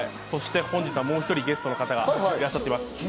そして本日はもう一人ゲストの方がいらっしゃっています。